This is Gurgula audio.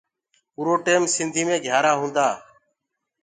اُرآ ٽيم سنڌيٚ مي گھِيآرآ هونٚدآ۔